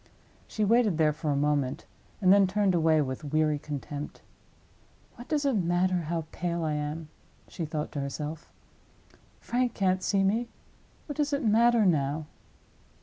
She waited there for a moment, and then turned away with weary contempt. "What does it matter how pale I am?" she thought to herself. "Frank can't see me—what does it matter now!"